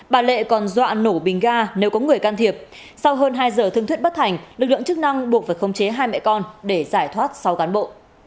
bà lệ còn dọa nổ bình ga nếu có người can thiệp sau hơn hai giờ thương thuyết bất thành lực lượng chức năng buộc phải khống chế hai mẹ con để giải thoát sáu cán bộ